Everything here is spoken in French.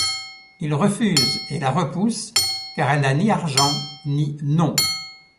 Il refuse et la repousse, car elle n’a ni argent ni nom.